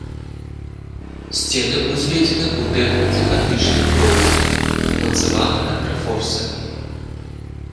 Сцены ўзведзены ў тэхніцы гатычнай муроўкі, умацаваны контрфорсамі.